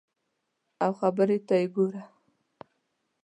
او خبرو ته یې وګوره !